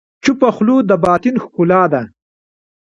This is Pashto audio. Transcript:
چپه خوله، د باطن ښکلا ده.